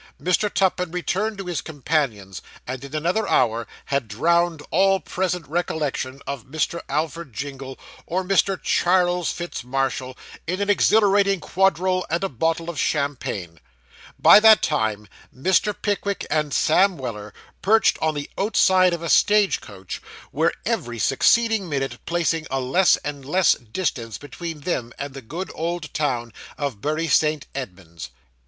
Mr. Tupman returned to his companions; and in another hour had drowned all present recollection of Mr. Alfred Jingle, or Mr. Charles Fitz Marshall, in an exhilarating quadrille and a bottle of champagne. By that time, Mr. Pickwick and Sam Weller, perched on the outside of a stage coach, were every succeeding minute placing a less and less distance between themselves and the good old town of Bury St. Edmunds.